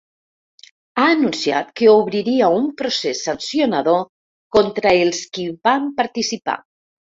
Ha anunciat que obriria un procés sancionador contra els qui hi van participar.